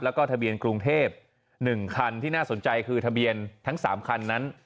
แล้วก็ทะเบียนกรุงเทพ๑คันที่น่าสนใจคือทะเบียนทั้ง๓คันนั้น